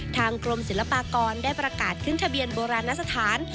ทางกรมศิลปากรได้ประกาศขึ้นทะเบียนโบราณสถาน